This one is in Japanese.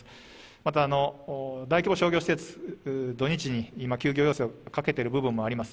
また大規模商業施設、土日に今、休業要請をかけてる部分もあります。